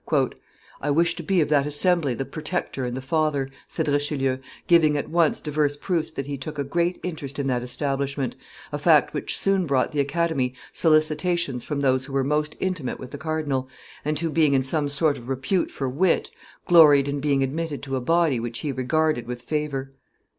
"I wish to be of that assembly the protector and the father," said Richelieu, giving at once divers proofs that he took a great interest in that establishment, a fact which soon brought the Academy solicitations from those who were most intimate with the cardinal, and who, being in some sort of repute for wit, gloried in being admitted to a body which he regarded with favor.